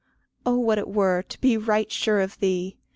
Oh what it were to be right sure of thee!